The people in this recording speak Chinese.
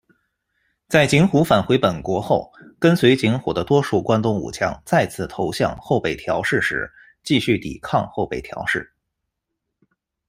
在景虎返回本国后，跟随景虎的多数关东武将再次投向后北条氏时，继续抵抗后北条氏。